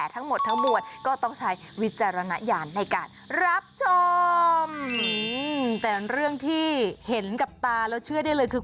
คุณผู้ชมแต่เรื่องที่เห็นกับตาแล้วเชื่อได้เลยคือ